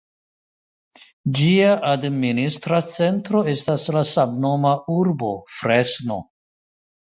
Ĝia administra centro estas la samnoma urbo Fresno.